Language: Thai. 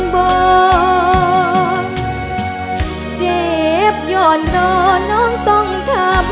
ภูมิสุภาพยาบาลภูมิสุภาพยาบาล